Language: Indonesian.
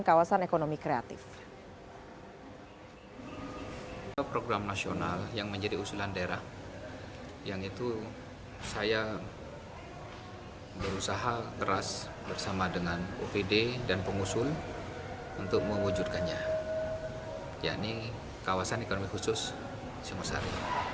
kawasan ekonomi khusus singosari